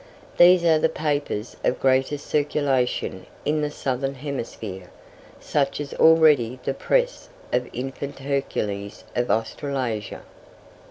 These are the papers of greatest circulation in the Southern Hemisphere. Such is already the Press of the infant Hercules of Australasia.